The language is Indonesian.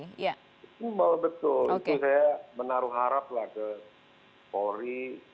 kalau betul itu saya menaruh harap lah ke polri